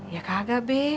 ya kagak be